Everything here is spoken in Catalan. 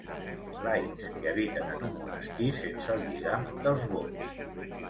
Laics que habiten en un monestir sense el lligam dels vots.